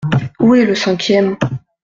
Où est le cinquième ?…